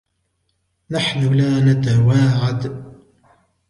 نحن لا نتواعد.